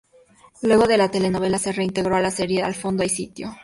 Luego de la telenovela, se reintegró a la serie "Al fondo hay sitio".